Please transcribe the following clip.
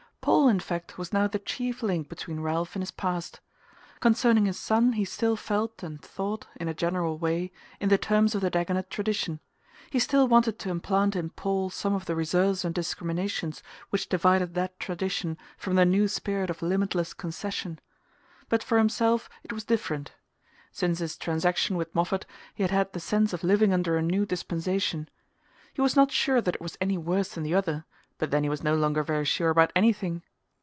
Paul, in fact, was now the chief link between Ralph and his past. Concerning his son he still felt and thought, in a general way, in the terms of the Dagonet tradition; he still wanted to implant in Paul some of the reserves and discriminations which divided that tradition from the new spirit of limitless concession. But for himself it was different. Since his transaction with Moffatt he had had the sense of living under a new dispensation. He was not sure that it was any worse than the other; but then he was no longer very sure about anything.